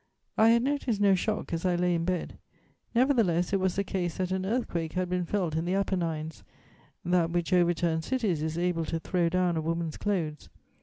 I had noticed no shock as I lay in bed; nevertheless it was the case that an earthquake had been felt in the Apennines: that which overturns cities is able to throw down a woman's clothes.